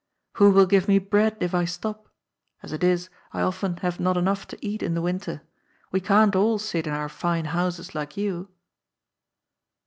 " Who will give me bread if I stop ? As it is, I often have not enough to eat in the winter. We can't all sit in our fine houses like you."